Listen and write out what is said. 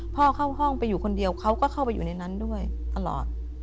พ่อเข้าห้องไปอยู่คนเดียวเขาก็เข้าไปอยู่ในนั้นด้วยตลอด